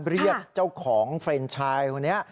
เรียกเจ้าของเฟรนชายคนนี้